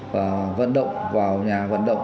và vận động vào nhà vận động